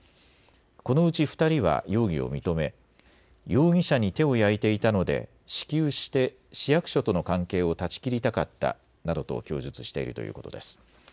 このうち２人は容疑を認め容疑者に手を焼いていたので支給して市役所との関係を断ち切りたかったなどと供述しているということです。